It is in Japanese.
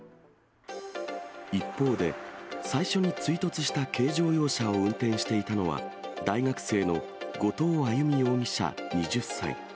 一方で、最初に追突した軽乗用車を運転していたのは、大学生の後藤亜由美容疑者２０歳。